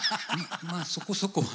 まあそこそこは。